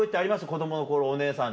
子供の頃お姉さんに。